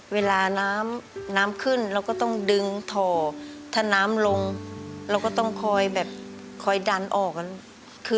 เวลาน้ำน้ำขึ้นเราก็ต้องดึงถ่อถ้าน้ำลงเราก็ต้องคอยแบบคอยดันออกกัน